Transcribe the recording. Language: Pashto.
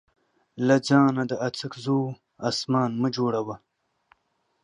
له ځانه د اڅکزو اسمان مه جوړوه.